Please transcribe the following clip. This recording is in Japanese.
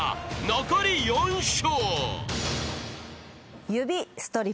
［残り４笑］